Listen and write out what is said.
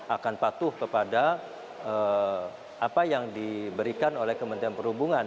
akan patuh kepada apa yang diberikan oleh kementerian perhubungan